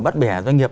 bắt bẻ doanh nghiệp